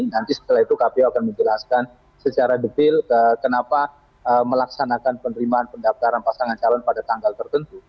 nanti setelah itu kpu akan menjelaskan secara detail kenapa melaksanakan penerimaan pendaftaran pasangan calon pada tanggal tertentu